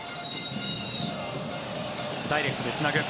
ダイレクトでつなぐ。